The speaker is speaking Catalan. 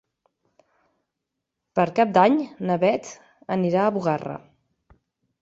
Per Cap d'Any na Beth anirà a Bugarra.